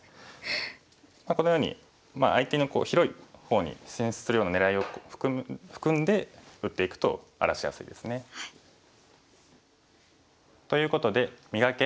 このように相手の広い方に進出するような狙いを含んで打っていくと荒らしやすいですね。ということで「磨け！